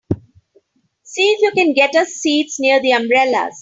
See if you can get us seats near the umbrellas.